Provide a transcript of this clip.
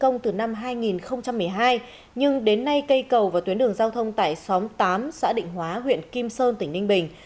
công từ năm hai nghìn một mươi hai nhưng đến nay cây cầu và tuyến đường giao thông tại xóm tám xã định hóa huyện kim sơn tỉnh ninh bình